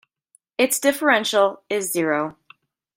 Its differential is zero.